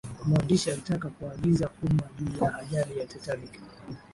mwandishi alitaka kuangazia umma juu ya ajali ya titanic